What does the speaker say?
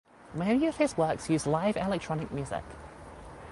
Many of his works use live electronic music.